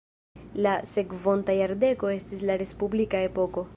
La sekvonta jardeko estis la respublika epoko.